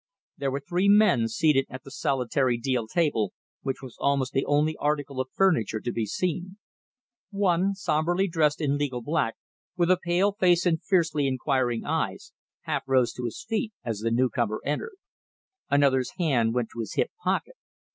There were three men seated at the solitary deal table, which was almost the only article of furniture to be seen. One, sombrely dressed in legal black, with a pale face and fiercely inquiring eyes, half rose to his feet as the newcomer entered. Another's hand went to his hip pocket.